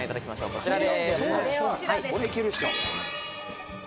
こちらです。